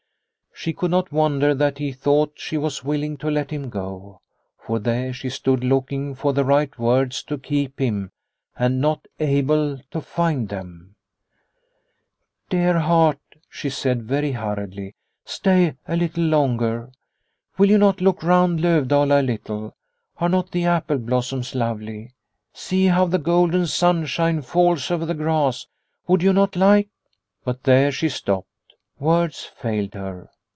She could not wonder that he thought she was willing to let him go. For there she stood, looking for the right words to keep him and not able to find them. " Dear heart," she said very hurriedly, " stay a little longer. Will you not look round Lovdala a little ? Are not the apple blossoms lovely ? See how the golden sunshine falls over the grass. Would you not like ?" But there she stopped. Words failed her.